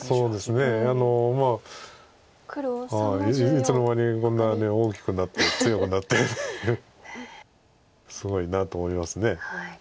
いつの間にこんなに大きくなって強くなってすごいなと思います。